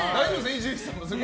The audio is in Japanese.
伊集院さんは。